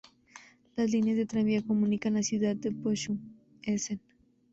Las líneas de tranvía comunican la ciudad con Bochum y Essen.